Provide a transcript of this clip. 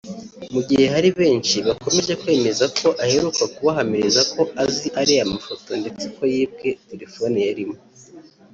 mu gihe hari benshi bakomeje kwemeza ko aheruka kubahamiriza ko azi ariya mafoto ndetse ko yibwe telefone yarimo